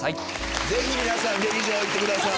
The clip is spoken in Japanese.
ぜひ皆さん劇場行ってください。